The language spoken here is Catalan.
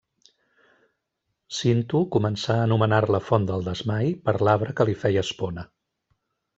Cinto començà a anomenar-la font del Desmai per l'arbre que li feia espona.